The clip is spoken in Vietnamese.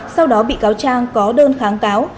sau đó bị cáo trang có đơn kháng cáo